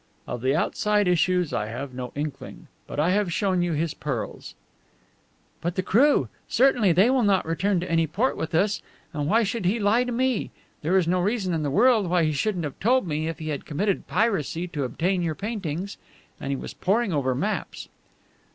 "Of the outside issues I have no inkling. But I have shown you his pearls." "But the crew! Certainly they will not return to any port with us. And why should he lie to me? There is no reason in the world why he shouldn't have told me, if he had committed piracy to obtain your paintings. And he was poring over maps."